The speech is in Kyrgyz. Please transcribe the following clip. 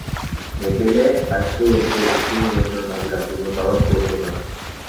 Мекеме Айткуловду лицензиясынан ажыратууну талап кылып жатат.